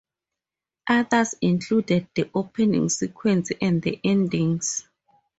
Others included the opening sequence and the endings.